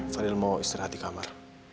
fadil mau istirahat di kamar